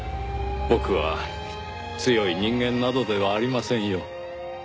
僕は強い人間などではありませんよ。